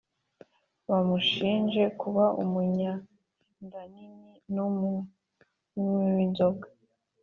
bamushinje kuba umunyandanini n’umunywi w’inzoga